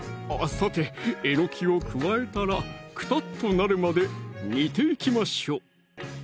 さてえのきを加えたらくたっとなるまで煮ていきましょう